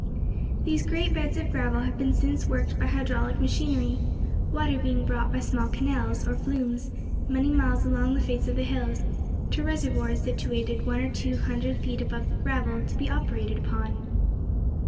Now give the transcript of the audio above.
These great beds of gravel have been since worked by hydraulic machinery, water being brought by small canals, or flumes, many miles along the face of the hills, to reservoirs situated one or two hundred feet above the gravel to be operated upon.